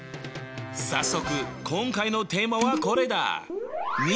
早速今回のテーマはこれだ！